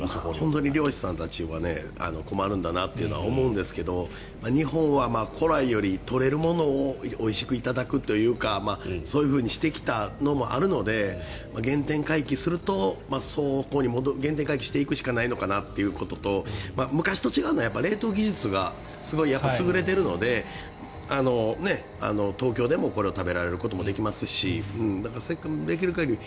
本当に漁師さんたちは困るんだなと思うんですけど日本は古来より、取れるものをおいしくいただくというかそういうふうにしてきたのもあるので原点回帰するとそこに原点回帰していくしかないのかなというところと昔と違うのは冷凍技術がすごい優れているので東京でもこれを食べることもできますしできる限り